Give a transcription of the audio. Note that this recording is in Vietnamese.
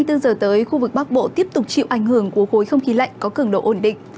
hai mươi bốn giờ tới khu vực bắc bộ tiếp tục chịu ảnh hưởng của khối không khí lạnh có cường độ ổn định